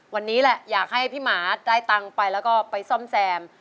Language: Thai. วันนี้แหละอยากให้พี่หมาได้ตังค์ไปแล้วก็ไปซ่อมแซม